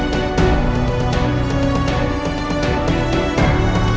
yang lebih baik untuk ditembak